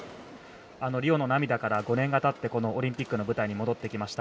リオの涙から５年がたってこのオリンピックの舞台に戻ってきました。